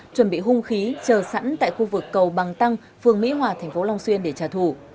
chuẩn bị hung khí chờ sẵn tại khu vực cầu bằng tăng phường mỹ hòa thành phố long xuyên để trả thù